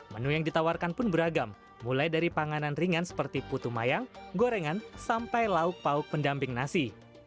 menu yang ditawarkan pun beragam mulai dari panganan ringan seperti putu mayang gorengan sampai lauk pauk pendamping nasi